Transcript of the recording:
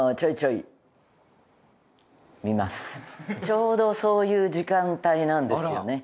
ちょうどそういう時間帯なんですよね。